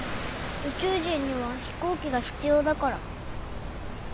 宇宙人には飛行機が必要だから。